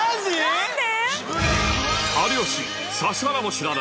何で？